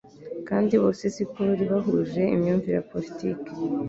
kandi bose si ko bari bahuje imyumvire ya politiki,